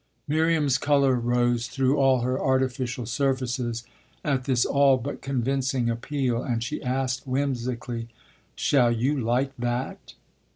Miriam's colour rose, through all her artificial surfaces, at this all but convincing appeal, and she asked whimsically: "Shall you like that?"